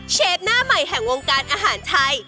เชฟหน้าใหม่แห่งวงการอาหารไทย